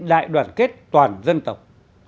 đại đoàn kết toàn dân tộc